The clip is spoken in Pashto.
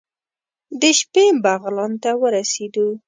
د شپې بغلان ته ورسېدو.